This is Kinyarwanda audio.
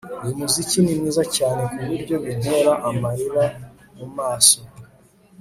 Uyu muziki ni mwiza cyane kuburyo bintera amarira mumaso